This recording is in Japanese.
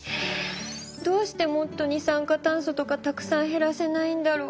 どうしてもっと二酸化炭素とかたくさん減らせないんだろう。